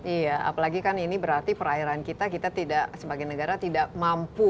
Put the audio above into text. iya apalagi kan ini berarti perairan kita kita tidak sebagai negara tidak mampu